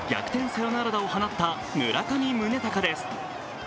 サヨナラ打を放った村上宗隆です。